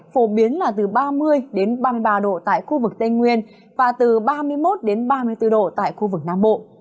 phổ biến là từ ba mươi ba mươi ba độ tại khu vực tây nguyên và từ ba mươi một ba mươi bốn độ tại khu vực nam bộ